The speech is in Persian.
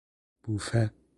بوفه